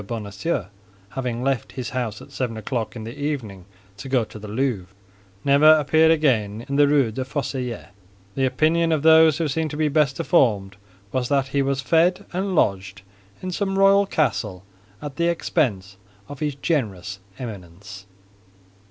Bonacieux, having left his house at seven o'clock in the evening to go to the Louvre, never appeared again in the Rue des Fossoyeurs; the opinion of those who seemed to be best informed was that he was fed and lodged in some royal castle, at the expense of his generous Eminence.